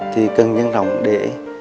thì cần nhân rộng để